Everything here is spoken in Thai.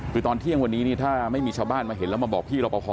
คือตอนเที่ยงวันนี้นี่ถ้าไม่มีชาวบ้านมาเห็นแล้วมาบอกพี่รอปภ